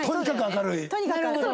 とにかく明るい？